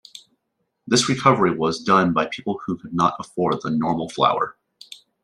This recovery was done by people who could not afford the "normal" flour.